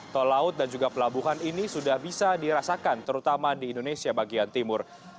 tol laut dan juga pelabuhan ini sudah bisa dirasakan terutama di indonesia bagian timur